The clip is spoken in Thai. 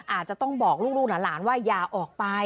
อาจจะต้องบอกลูกหลานว่าอย่าออกไป